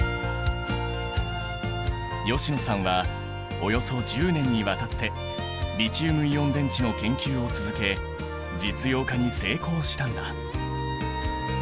吉野さんはおよそ１０年にわたってリチウムイオン電池の研究を続け実用化に成功したんだ。